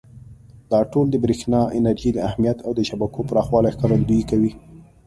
دا ټول د برېښنا انرژۍ د اهمیت او د شبکو پراخوالي ښکارندویي کوي.